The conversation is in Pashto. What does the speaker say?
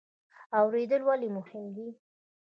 اوریدل ولې مهم دي؟